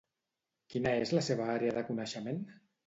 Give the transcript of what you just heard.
Quina és la seva àrea de coneixement?